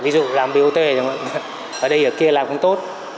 ví dụ làm bot chẳng hạn ở đây ở kia làm không tốt